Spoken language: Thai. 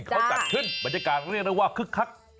เขาจัดขึ้นบรรยากาศเรียกได้ว่าคึกคัก